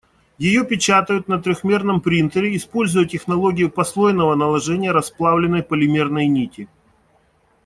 Её печатают на трёхмерном принтере, используя технологию послойного наложения расплавленной полимерной нити.